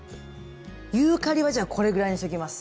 ユーカリはこれぐらいにしときます。